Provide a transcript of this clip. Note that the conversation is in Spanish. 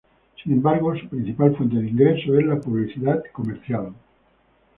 Sin embargo, su principal fuente de ingresos es la publicidad comercial.